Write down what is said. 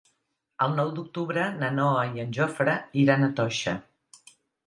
El nou d'octubre na Noa i en Jofre iran a Toixa.